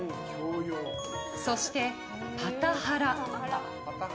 そして、パタハラ。